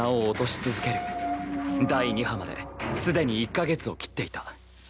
第二波まですでに１か月を切っていた。